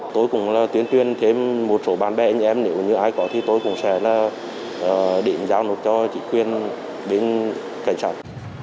tôi cũng là tuyên truyền thêm một số bạn bè anh em nếu như ai có thì tôi cũng sẽ là định giao nộp cho chị quyên đến cảnh sát